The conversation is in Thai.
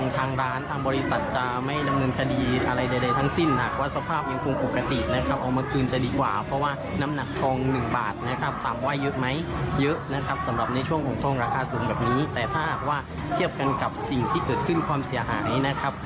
ต้องราคาสูงแบบนี้แต่ถ้าหากว่าเทียบกันกับสิ่งที่เกิดขึ้นความเสียหายนะครับ